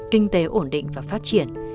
kinh tế ổn định và phát triển